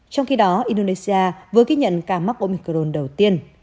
trong khi đó indonesia vừa ghi nhận ca mắc omcron đầu tiên